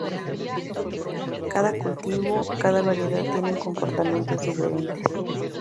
Cada cultivo, cada variedad tienen comportamientos diferentes.